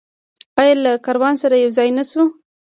آیا له کاروان سره یوځای نشو؟